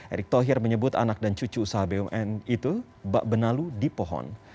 erick thohir menyebut anak dan cucu usaha bumn itu bak benalu di pohon